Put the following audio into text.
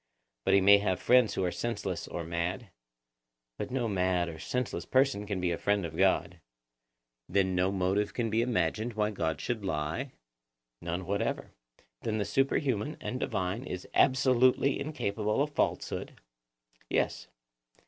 But he may have friends who are senseless or mad? But no mad or senseless person can be a friend of God. Then no motive can be imagined why God should lie? None whatever. Then the superhuman and divine is absolutely incapable of falsehood? Yes.